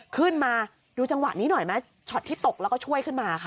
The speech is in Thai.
ขึ้นมาดูจังหวะนี้หน่อยไหมช็อตที่ตกแล้วก็ช่วยขึ้นมาค่ะ